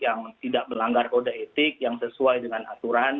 yang tidak melanggar kode etik yang sesuai dengan aturan